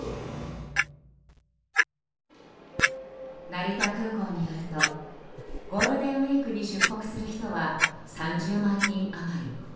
成田空港によるとゴールデンウィークに出国する人は３０万人余り。